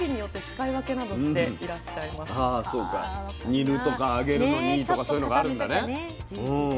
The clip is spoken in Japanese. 煮るとか揚げるのにいいとかそういうのがあるんだね。